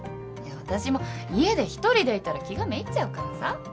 いや私も家で１人でいたら気がめいっちゃうからさ。